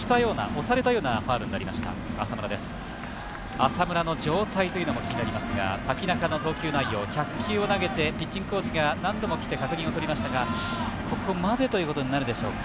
浅村の状態というのも気になりますが瀧中の投球内容１００球を投げてピッチングコーチが何度も来て確認をしましたがここまでということになるでしょうか。